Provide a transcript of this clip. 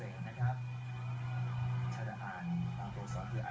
รองอันดับสองคือ